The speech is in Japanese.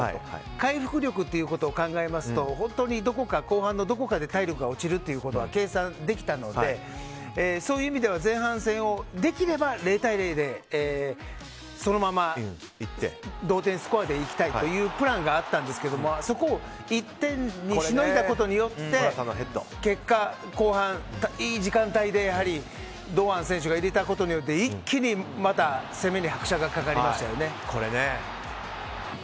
回復力と考えますと後半のどこかで体力が落ちるということは計算できたのでそういう意味では前半戦をできれば０対０でそのまま、同点スコアでいきたいというプランがあったんですけどそこを１点にしのいだことによって結果、後半いい時間帯で堂安選手が入れたことによって一気にまた攻めに拍車がかかりましたね。